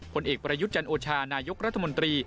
ผลเอกประยุทธ์จันโอชานายกรัฐมนตรี